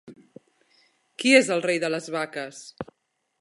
Qui és el Rei de les Vaques?